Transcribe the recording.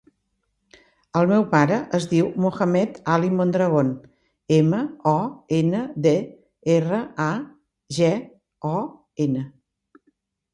El meu pare es diu Mohamed ali Mondragon: ema, o, ena, de, erra, a, ge, o, ena.